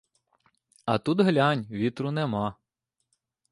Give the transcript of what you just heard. А тут глянь, вітру нема!